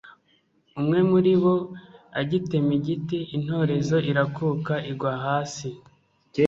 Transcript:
umwe muri bo agitema igiti intorezo irakuka igwa hasi